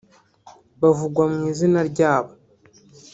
bavugwa mu izina ryabo